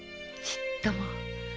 ちっとも。